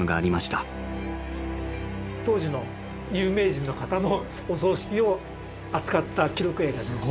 当時の有名人の方のお葬式を扱った記録映画です。